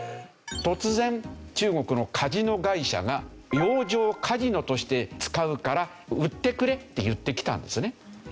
突然中国のカジノ会社が洋上カジノとして使うから売ってくれって言ってきたんですね。